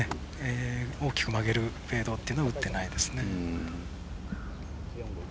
大きく曲げるフェードというのは打っていないですね。